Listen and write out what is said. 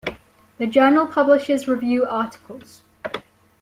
The journal publishes review articles.